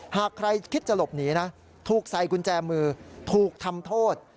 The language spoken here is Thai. หากใครคิดจะหลบหนีนะถูกใส่กุญแจมือถูกทำโทษ